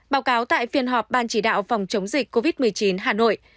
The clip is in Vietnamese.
báo cáo tại phiên họp ban chỉ đạo phòng chống dịch covid một mươi chín hà nội